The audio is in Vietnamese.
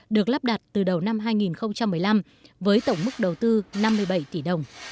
được lắp đặt từ đầu năm hai nghìn một mươi năm với tổng mức đầu tư năm mươi bảy tỷ đồng